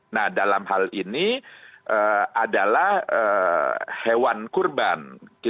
nah dalam hal ini adalah hewan kurban